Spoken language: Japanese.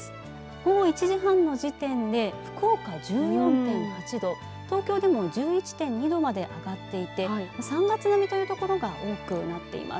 午後１時半の時点で福岡１４．８度東京でも１１．２度まで上がっていて３月並みという所が多くなっています。